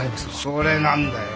それなんだよ。